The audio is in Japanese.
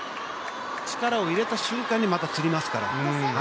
力を入れた瞬間に、またつりますから。